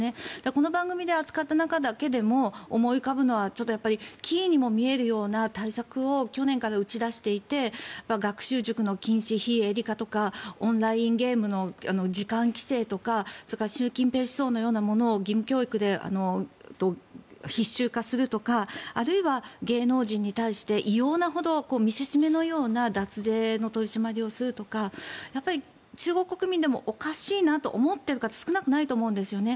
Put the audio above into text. この番組で扱っただけでも思い浮かぶのはちょっと奇異にも見えるような対策を去年から打ち出していて学習塾の禁止、非営利化とかオンラインゲームの時間規制とか習近平思想のようなものを義務教育で必修化するとかあるいは芸能人に対して異様なほど見せしめのような脱税の取り締まりをするとか中国国民でもおかしいなと思っている方は少なくないと思うんですよね。